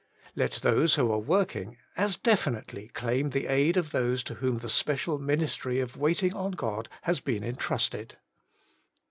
Let those who are working as definitely claim the aid of those to whom the special ministry of waiting on God has been entrusted.